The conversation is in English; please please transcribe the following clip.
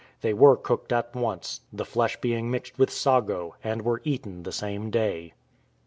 They were cooked at once, the flesh being mixed with sago, and were eaten the same day.